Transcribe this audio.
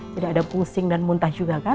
tidak ada pusing dan muntah juga kan